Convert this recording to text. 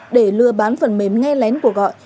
để lừa bán phần mềm nghe lén của gọi